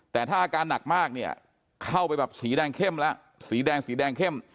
แต่ถ้าอาการหนักมากเนี่ยเข้าไปแบบสีแดงเข้มแล้วสีแดงสีแดงเข้ม